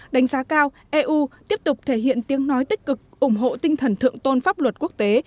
đánh giá cao eu tiếp tục thể hiện tiếng nói tích cực ủng hộ tinh thần thượng tôn pháp luật quốc tế